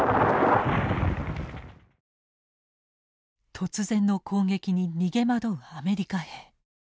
突然の攻撃に逃げ惑うアメリカ兵。